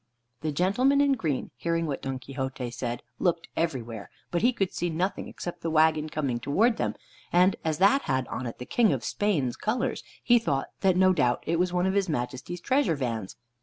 The gentleman in green, hearing what Don Quixote said, looked everywhere, but he could see nothing except the wagon coming towards them, and as that had on it the King of Spain's colors, he thought that no doubt it was one of his Majesty's treasure vans.